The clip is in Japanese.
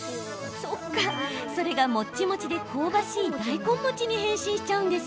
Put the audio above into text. それが、もっちもちで香ばしい大根餅に変身しちゃうんです。